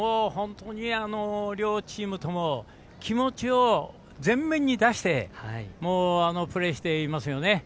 両チームとも気持ちを全面に出してプレーしていますよね。